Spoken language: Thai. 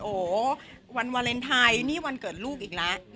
โอ้โหวันวาเลนไทยนี่วันเกิดลูกอีกแล้ว